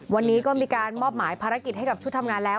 วันนี้ก็มีการมอบหมายภารกิจให้กับชุดทำงานแล้ว